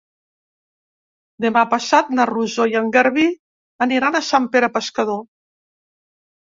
Demà passat na Rosó i en Garbí aniran a Sant Pere Pescador.